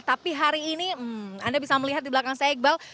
tapi hari ini anda bisa melihat di belakang saya iqbal